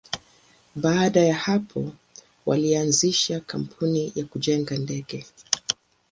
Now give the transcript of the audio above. Baada ya hapo, walianzisha kampuni ya kujenga ndege.